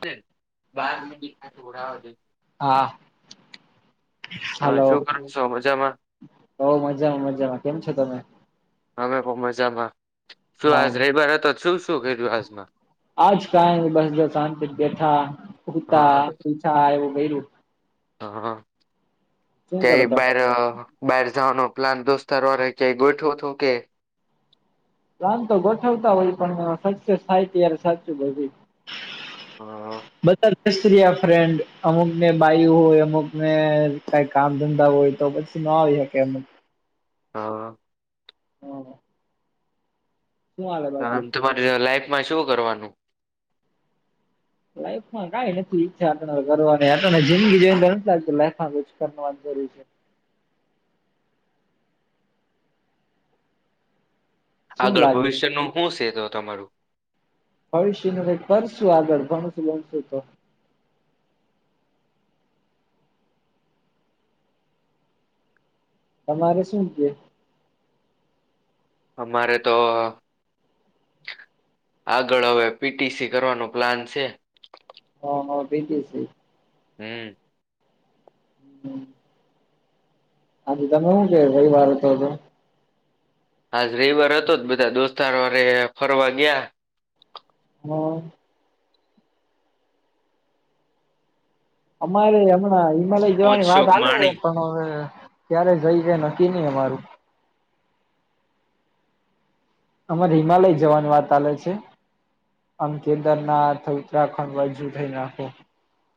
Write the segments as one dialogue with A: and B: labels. A: બાર
B: હા.
A: હા
B: હાલો
A: શું કર છું મજામાં?
B: બઉ મજામાં મજામાં કેમ છો તમે?
A: અમે પણ મજામાં, શું
B: હા
A: આજ રવિવાર હતો શું શું કરધું આજમાં?
B: આજ કઈ બસ શાંત બેથાતા,
A: હા
B: પછા એવું ગ
A: હા, હ
B: શું
A: કે
B: કરો તમે
A: બર બહાર જવાનો પ્લાન દોસ્તાર વાળ ક્યા ગોઠવો હતો કે
B: ક્ન તો ગોઠવતા હોય પણ સક્સેસ થાય ત્યારે સાચું બધી.
A: હા
B: બતર સ્ત્રી ફ્રેન્ડ અમુકને બાાય હોય અમુક ને કઈ કામ ધંધા હોય તોછ સુ ના રહ કેને.
A: હા.
B: [inaudible] શું હાલે બાકી
A: આમ તમારે લાઈફમાં શું કરવાનું?
B: લાઈફ માં કઈ નથી ઈચ્છ આપ કરવાની આપને જિંદગી જોઈને નથી લાગતતી લાઈમાં જરૂ છે. શું
A: આગળ
B: લાગે
A: ભવિષ્યનું શું છે તો તમારું?
B: ફળશી ન ભ કરશું આગળ ભણશું ભણશું તો. તમારે શું છે?
A: અમારે તો આગળ હવે પી ટી સી કરવાનો પ્લાન છે.
B: હા હા બે ક છે.
A: હમ.
B: [inaudible] હાજ તમે શું કે ભઈ વાર હતો હતો?
A: હા રવિવાર હતો જ બધા દોસ્તાર વારે ફરવા ગયા.
B: હા. અમારે અમ્ણા એમલે
A: મોજ
B: જવાની વાદ
A: શોખ
B: આાલે
A: માણી
B: હવે ક્યારે જઈ કે નક્કી નહી અ મારું. અમાર હિમાલય જવાની વાત ચલે છે. આમ કેન્દર ના ઉત્તરાખંડજુ થઈ નાખો.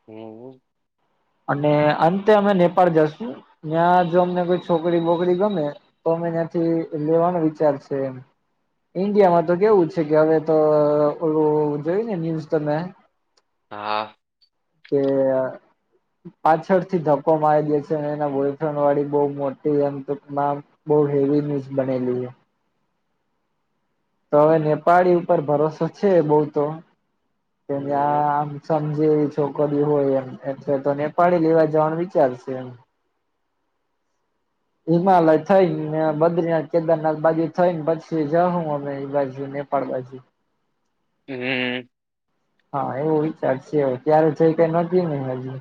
A: એવું?
B: અને અંતે અમે નેપાળ જશું, ત્યાં જો અમને કોઈ છોકરી બોકરી ગમે. તો અમે ત્યાંથી લેવાનો વિચાર છે એમ. ઈન્ડિયામાં તો કેવું છે કે હવે તો જોયું ને ન્યુઝ તમે.
A: હા.
B: એ આ પાછળ થી ધક્કો મારી દે છે એના બોયફ્રેન્ડ વાળી બઉ મોટી એમ ટકમાં બહુ હેવી ન્યૂઝ બનેલી છે. તો હવે નેપાળી ઉપર ભરોસો છે બહું તો તેમ આ
A: હમ
B: આમ સમજે જ છોકરી હોય એમ એટલે તો નેપાળી લેવા જવાનું વિચારશે એમ હિમાલય થઈને બદ્રીનાથ કેદારનાથ બાજુ થઈ ને પછી જઉં અમે એ બાજુ ને એમ પણ હોય
A: હમ્મ.
B: હા એવો વિચાર છે ત્યારે જઈ કઈ નકી નહી હજુ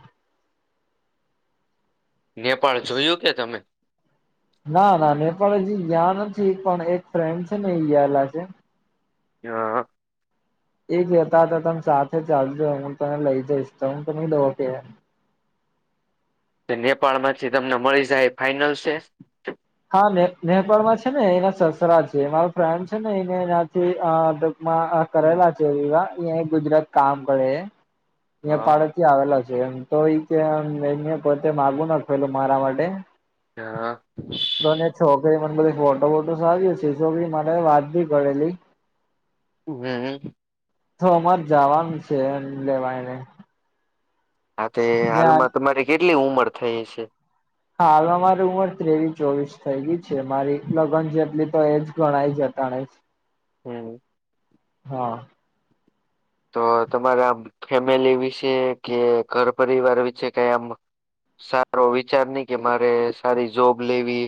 A: નેપાળ જોયું કે તમે
B: ના ના નેપાળ હજી ગયા નથી પણ એક ફ્રેન્ડ છે ને એ ગયેલા છે.
A: હા હા.
B: એક લેતા હતા તમ સાથે ચાલજો હું તને લઈ જઈશ તો હું તો નઈ દવ ક્યાંય
A: તે નેપાળ માંથી તમને મળી જાય ફાઈનલ છે.
B: હા ને નેપાળમાં છે ને એના સસરા છે મારો ફ્રેન્ડ છે ને એને એનાથી આ ગ્રુપમાં આ કરેલા છેં એવા અહીંયા ગુજરાત કામ કરે હે અહીંયા
A: હા
B: પાલનપુર થી આવેલા છે એમ તો કે એને પોતે માગું ના મારા માટે
A: હા [unintelligible]
B: તો ને છોકરી મને બધી ફોટો ફોટો સારી છે ચીસો બી પડે મને વાત બી કરેલી
A: હમ્મ હમ્મ.
B: તો અમાર જવાનું છે એમ લેવાયને
A: હા તે હાલમાં તમારે કેટલી ઉંમર થઈ છે?
B: હા હાલમાં મારી ઉંમર ત્રેવીસ ચોવીસ થઈ ગઈ છે મારી લગ્ન જેટલી તો એજ ગણાય જ તાણે છે.
A: હમ્મ.
B: હા.
A: તો તમારા આમ ફેમિલી વિશે કે ઘર પરિવાર વિશે કઈ આમ સારો વિચાર નહી કે મારે સારી જોબ લેવી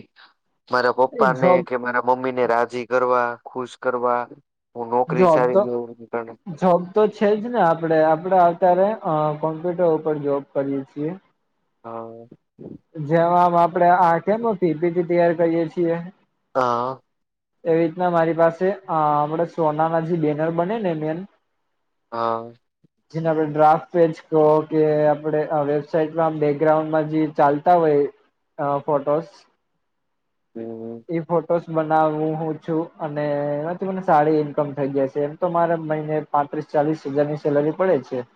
A: મારા
B: એ
A: પપ્પા ને
B: જોબ
A: કે મારા મમ્મીને રાજી કરવા ખુશ કરવા હું નોકરી
B: જોબ
A: સારી
B: તો
A: કરું [unintelligible]
B: જોબ તો છે જ ને આપણેે આપડે અત્યારે અ કોમ્પ્યુટર ઉપર જોબ કરીએ છીએ.
A: હા.
B: જેમ આપડે આ કેમ પીપીટી તૈયાર કરીયે છીએ.
A: હા.
B: એવી રીતના મારી પાસે આ આપણે સોના ના જે બેનર બને ને મેન
A: હા.
B: જેને આપડે ડ્રાફ્ટ પેજ કહો કે આપડે વેબસાઈટમાં બેકગ્રાઉન્ડમાં જે ચાલતા હોય અ ફોટોસ
A: હમ
B: ઈ ફોટોસ બનાવું હું છું અને એમાંથી મને સારી ઈન્કમ થઈ જાય છે એમ તો મારે મહિને પાંત્રીસ ચાલીસ હજાર ની સેલરી પડે છે.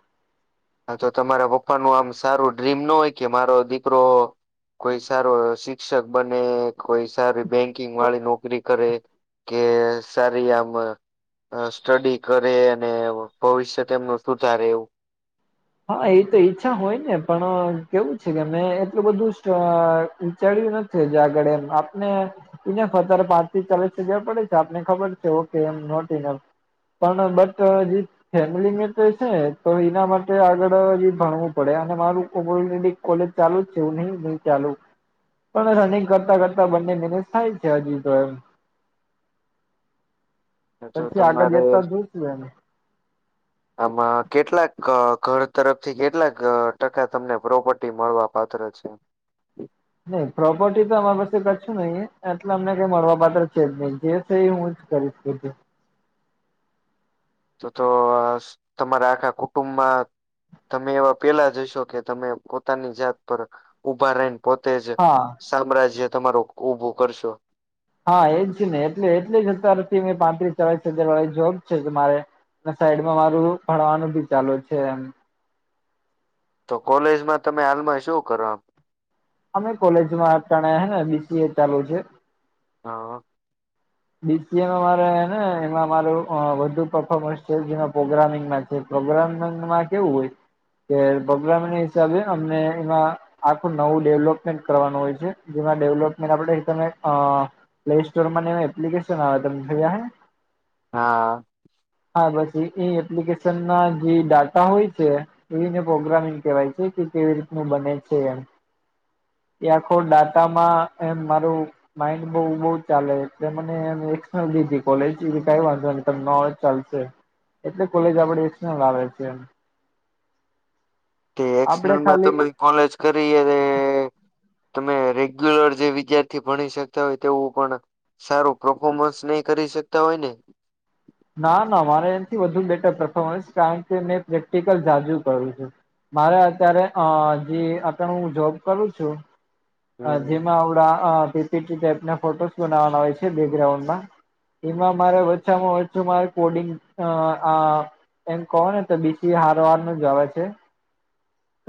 A: હા તો તમારા પપ્પા નું આમ સારું ડ્રીમ ના હોય કે મારો દીકરો કોઈ સારો શિક્ષક બને કોઈ સારી બેંકિંગ વાળી નોકરી કરે કે સારી આવક અ સ્ટડી કરે અને ભવિષ્ય તેમનું સુધારે એવું
B: હા એ તો ઈચ્છા હોય ને પણ કેવું છે કે મેં એટલું બધું અહ ચડ્યું નથ થઇ, જે આગળ એમ આપને એ ને પર તારે પાંચથી ચાલીસ હજાર પડે છે, આપને ખબર છે ઓકે એમ નોટીનલ પણ બટ જે ફેમિલી મેટર છે, તો એના મા ટે આગળ હજી ભણવું પડે અને મારું ઓલરેડી કોલેજ ચાલુ જ છે, એવું નહી નહી ચાલુ પણ રનિંગ કરતા કરતા બંને મેંનેજ થાય છે હજી તો એમ
A: અથવા
B: પછી આગળ
A: તમારે
B: જતા જોશું એમ
A: આમાં કેટલાક ઘર તરફથી કેટલાક ટકા તમને પ્રોપર્ટી મળવા પાત્ર છે?
B: નહી પ્રોપર્ટી તો અમારી પાસે કછું નહી હે, એટલે અમને કઈ મળવા પાત્ર છે જ નહી જે એ હું જ કરીશ બધી.
A: તો તો તમારા આખા કુટુંબમાં તમે એવા પેલા જશો કે તમે પોતાની જાત પર ઊભા રહીને પોતે જ
B: હા
A: સામ્રાજ્ય તમારું ઊભું કરશો.
B: હા એ જ ને એટલે એટલે જ અત્યારથી મેં પાત્રીસ ચાલીસ હજાર વાળી જોબ છે કે મારે અને સાઈડમાં મારું ભણવાનું બી ચાલુ છે, એમ
A: તો કોલેજમાં તમે હાલમાં શું કરો?
B: અમે કોલેજમાં અટાણે હે ને બી સી એ ચાલુ છે.
A: હા
B: બી સી એ માં મારે ને એમાં મારું અહ, વધુ પફોર્મન્સ છે, જે પ્રોગ્રામિંગમાં છે, પ્રોગ્રામિંગમાં કેવું હોય કે પ્રોગ્રામને હિસાબે અમને એમાં આખું નવું ડેવલપમેન્ટ કરવાનું હોય છે જેમાં ડેવલપમેન્ટ આપડે તમે અહ પ્લેસ્ટોરમાં ને એપ્લિકેશન આવે તમે જોય હે?
A: હા
B: હા, બસ એ એપ્લિકેશનના જે ડાટા હોય છે એને પ્રોગ્રામિંગ કહેવાય છે કે કેવી રીતનું બને છે એમ એ આખો ડાટામાં એમ મારું માઈન્ડ બઉ, બઉ ચાલે જે મને મેં એક્સ્ટરનલ લીધી કોલેજ એ કે કંઈ વાંધો નહી તમે નો આવો તો ચાલશે એટલે કોલેજ આપડે એક્સ્ટરનલ આવે છે એમ
A: તે
B: આપડે
A: એક્સ્ટરનલમાં
B: ખાલી
A: તમે કોલેજ કરી એરે તમે રેગ્યુલર જે વિદ્યાર્થી ભણી શકતા હોય તેવું ભણ સારું પફોર્મન્સ નઇ કરી શકતા હોય ને?
B: ના ના મારે એનથી વધુ બેટર પફોર્મન્સ કારણ કે મેં પ્રેક્ટિકલ જાજુ કરું છું. મારે અત્યારે અહ, જે અટાણે હું જોબ કરું છું અહ
A: હમ
B: જેમાં અવડા અહ, પિ પી ટી ટાઈપના ફોટોસ બનાવવાના હોય છે બેકગ્રાઉન્ડમાં એમાં મારે ઓછામાં ઓછું મારે કોડિંગ અહ, અહ એમ કહો ને તો બી સી એ હારો હારનું જ આવે છે.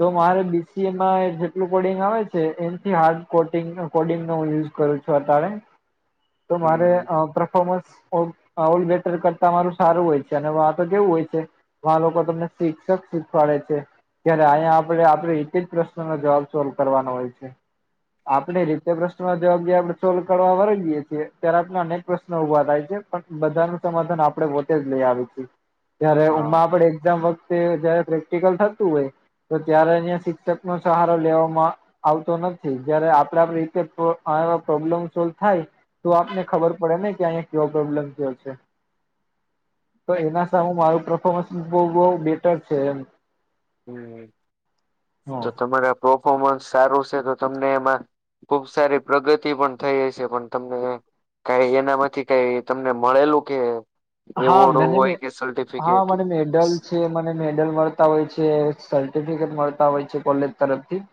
B: તો મારે બી સી એ માં જેટલું કોડિંગ આવે છે એ એ હાર્ડ કોટિંગ, કોડિંગ નો હું યુઝ કરું છું અટાણે તો મારે
A: હમ
B: અહ, પ્રફોમન્સ ઓ અહ, ઓલ બેટર કરતા મારું સારું હોય છે અને વહા પર કેવું હોય છે આ લોકો તમને શિક્ષક શીખવાડે છે. ત્યારે અયા આપણે આપણી રીતે જ પ્રશ્નનોનો જવાબ સોલ્વ કરવાનો હોય છે. આપણે રીતે પ્રશ્નનોનો જવાબ જે આપડે સોલ્વ કરવા વર્ગીયે છીએ ત્યારે આપણે અનેક પ્રશ્ન ઉભા થાય છે. પણ બધાનું સમાધાન આપણે પોતે જ લઈ આવીએ છીએ. જ્યારે
A: હા
B: ઓમાં આપણે એક્ઝામ વખ તે જયારે પ્રેક્ટિકલ થતું હોય તો ત્યારે અહિયાં શિક્ષક નો સહારો લેવામાં આવતો ન. થી જયારે આપડે આપણી રીતે જ પ્રો આવો પ્રોબ્લેમ સોલ્વ થાય તો આપને ખબર પડે ને કે અહિયા કયો પ્રોબ્લેમ થયો છે. તો એના સામે મારું પરફોમન્સ બઉ બઉ બેટર છે એમ
A: તો તમારે આ પરફોમન્સ સારું છે તો તમને એમાં ખુબ સારી પ્રગતિ પણ થઈ હસે પણ તમને કઈ એનામાંથી કઈ તમને મળેલું કે
B: હા
A: એવોર્ડ
B: મને મે
A: હોય કે
B: હા
A: સર્ટિફિકેટ
B: મને મેડલસ જે મને મેડલ મળતા હોય છે સર્ટિફિકેટ મળતા હોય છે કોલેજ તરફથી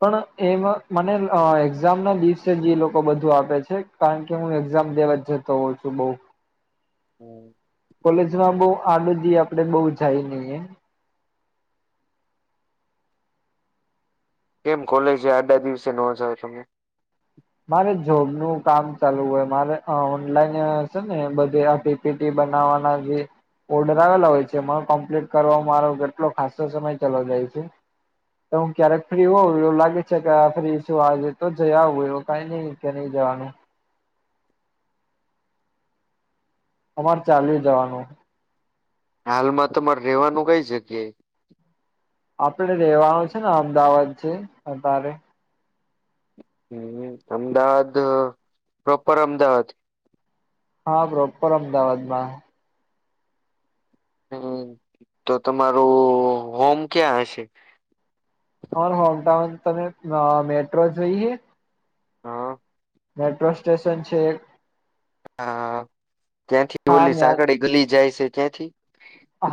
B: પણ એમાં મને અ એક્ઝામ ના દિવસે જે એ લોકો બધું આપે છે. કારણ કે હું એક્ઝામ દેવા જ જતો હોઉં છું બઉ
A: હમ.
B: કોલેજમાં બઉ આડો દી આપડે બઉ જાયે નઇ એમ
A: કેમ કોલેજે આડા દિવસે નો જાવ તમે
B: મારે જોબ નું કામ ચાલુ હોય મારે અ ઓનલાઈન અ સે ને બધે આપે પીઢી બનાવવાના જે. ઓર્ડર આવેલા હોય છે એમાં કમ્પ્લીટ કરવામાં મારો કેટલો ખાસો સમય ચાલો જાય છે. તો હું ક્યારેક ફ્રી હોઉ એવું લાગે છે કે આ ફ્રી છું આજે તો જઈ આવું એ કાઈ નઈ કે નહી જવાનું તમારે ચાલી જવાનું
A: હાલમાં તમારે રેવાનું કઈ જગ્યાએ
B: આપડે રેવાનું છે ને અમદાવાદ છે અત્યારે
A: હું અમદાવાદ પ્રોપર અમદાવાદ
B: હા પ્રોપર અમદાવાદ માં
A: હું તો તમારું હોમ ક્યાં હશે.
B: ઓર હોમટાઉન તમે અ મેટ્રો જઈએ.
A: હા.
B: મેટ્રો સ્ટેશન છે.
A: હા ત્યાંથી
B: હા
A: ઓલી
B: ત્યાં
A: સાંકળી ગલી જાય છે, ત્યાંથી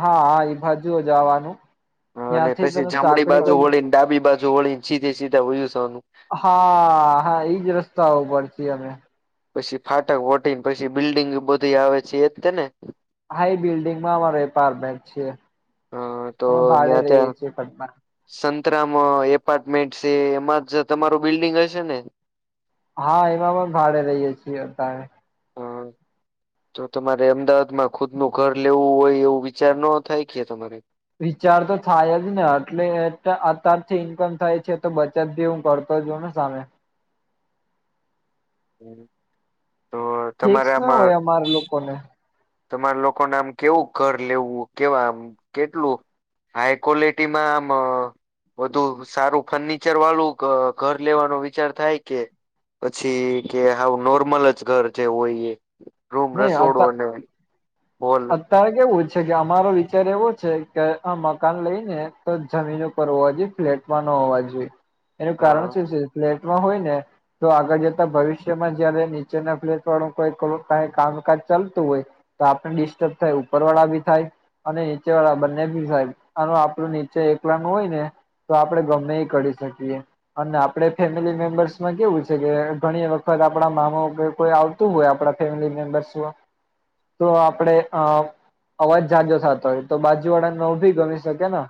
B: હા હા ઈ બાજુ એ જવાનું
A: અને
B: ત્યાંથી
A: પછી
B: તમે
A: જમડી
B: સાંકળી
A: બાજુ
B: કરી
A: વળીને ડાબી બાજુ વળી ને સીધે સીધા વયું જવાનું
B: હા હા એઈજ રસ્તા ઉપર છી અમે
A: પછી ફાટક વટી પછી બિલ્ડીિંગ બધી આવે છે. એ તને.
B: હા ઈ બિલ્ડિંગમાં અમાર વેપાર બેંક છે.
A: હ
B: અમે ભાડે રહીએ છીએ પટના
A: સંતરામ એપાર્ટમેન્ટ છે. એમાં જ તમારું બિલ્ડિંગ હશે ને?
B: હા એમાં પણ ભાડે રહીએ છીએ અતારે.
A: હા. તો તમારે અમદાવાદમાં ખુદ નું ઘર લેવું હોય એવું વિચાર નો થાય કે તમારે
B: વિચાર તો થાય જ ને એટલે અતારથી ઇન્કમ થાય છે, તો બ અત્યારી હું ભરતો જોઉં ને સામે.
A: હમ.
B: ફીક્સ ના હોય અમાર લોકો ને.
A: તમારા લોકોને આમ કેવું ઘર લેવું? કેવામ કેટલું? હાઈ ક્વોલિટી માં આમ વધુ સારું ફર્નિચર વાળું ધ ઘર લેવાનો વિચાર થાય કે. પછી કે હાવ નોર્મલ જ ઘર જેવું હોય. રૂમ,
B: નહી
A: રસોડો ને હોલ
B: તારે કેવું છે કે અમારો વિચાર એવો છે. કે અ મકાન લઈ ને તો જમીન ઉપર હોવા જોઈએ ફ્લેટમાં ન હોવા જોઈએ એનું
A: હા
B: કારણ શું છે? ફ્લેટમાં હોય ને તો આગળ જતા ભવિષ્યમાં જયારે નીચેના ફ્લેટ વાળું કોઈ કઈ કામકાજ ચાલતું હોય તો આપણ ડિસ્ટર્બ થાય. ઉપરવાળા બી થાય અને નીચે વાળા બંને ભી સાહેબ. અનુ આપણું નીચે એકલા નું હોય ને તો આપડે ગમે એ કરી શકીએ અને આપણે ફેમિલી મેમ્બર્સમાં કેવું છે કે ઘણી વખત આપણા મામા કે કોઈ તું હોય આપડા ફેમિલી મેમ્બરસ માં તો આપડે અ અવાજ ઝા ઝો થતો હોય. તો બાજુ વાળાને ન ભી ગમી શકે ને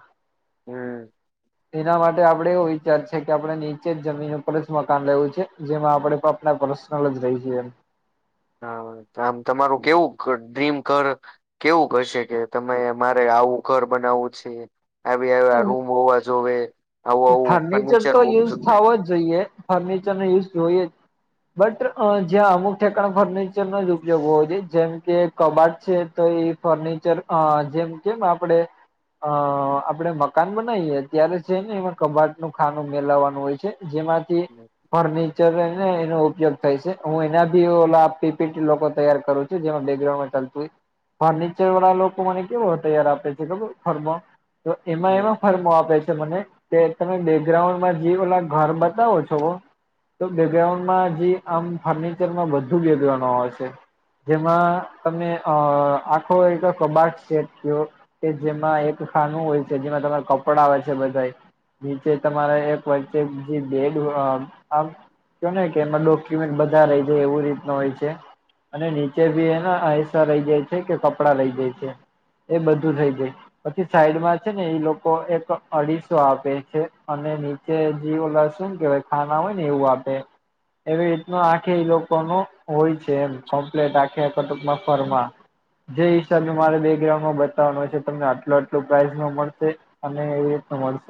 A: હમ
B: તેના માટે આપડે હો છે કે આપણે નીચે જમીન ઉપર જ મકાન લેવું છે. જેમાં આપણે પાપના પર્સનલ જ રહી જઇએ
A: હા આમ તમારું કેવું ડ્રીમ કર કેવું હશે કે તમે મારે આવું ઘર બનાવવું છે. આવી આવા રૂમ હોવા જોવે આવું આવું
B: ફર્નિચર તો
A: હોવું
B: યુઝ
A: જોવે
B: થવો જ જોઈએ. ફર્નિચર નો યુઝ જોઈએ જ બટ જ્યાં અમુક ઠેકાણ ફર્નિચરનો જ ઉપયોગ હોવો જોએ. જેમ કે કબાટ છે તો એ ફર્નિચર અ જેમ કેમ આપડે અ આપડે મકાન બનાવીએ અત્યારે છે ને એમાં કબાટ નું ખાનું મેલાવવાનું હોય છે. જેમાંથી ફર એનો ઉપયોગ થાય છે. હું એના બી ઓલા પીપીટી લોકો તૈયાર કરું છું. જેમાં બેકગાઉન્ડમાં ચાલતું હોય ફર્નિચર વાળા લોકો મને કેવ તૈયાર આપે છે. ખબર ઘરમાં તો એમાં
A: હમ
B: એમાં ફર્મો આપે છે મને તે તમે બેકગ્રાઉન્ડમાં જી ઓલ ઘર બતાવો છો. તો બેકગ્રાઉન્ડમાં જે આમ ફર્નિચરમાં બધું બેકગ્રઉન્ડ આવેય છે. જેમાં તમે આખો એક કોબક સ્ટે થીયો. કે જેમાં એક ખાનું હોય છે. જેમાં તમારે કપડા આવે છે, બધા નીચે તમારે એક વચચે બેડ આમ કોને કે એમાં ડોક્યુમેન્ટ બધા રહી જાય એવું રીતનું હોય છે. અને નીચે ભી એના અહીસા રહી જાય છે કે કપડા રહી જાય છે. એ બધું થઇ જાય. પછી સાઈડમાં છે ને એઈ લોકો એક અઢી આપે છે અને નીચે જે ઓ શું કેવાય? ખાના હોય ને એવું આપે એવી રીતનું આખે લોકોનું હોય છે. એમ કમ્પ્લીટ આખે કે ટુંકમાં ફરમા જે હિસાબે મારે બેકગ્રાઉન્ડમાં બતાવવા હોય છે. તમને આટલો આટલો પ્રાાઈઝ ન મળશે અનેને એ પ્રમાણે